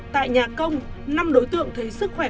tại nhà công năm đối tượng thấy sức khỏe